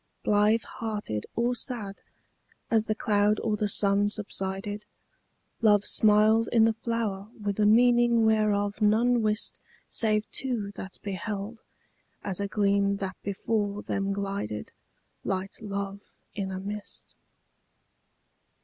Blithe hearted or sad, as the cloud or the sun subsided, Love smiled in the flower with a meaning whereof none wist Save two that beheld, as a gleam that before them glided, Light love in a mist.